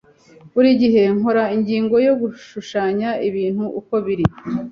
Buri gihe nkora ingingo yo gushushanya ibintu uko biri.